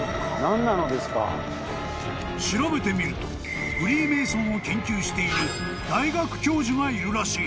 ［調べてみるとフリーメイソンを研究している大学教授がいるらしい］